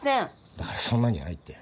だからそんなんじゃないって。